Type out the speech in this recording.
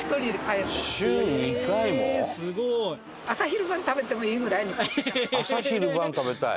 すごい！朝昼晩食べたい？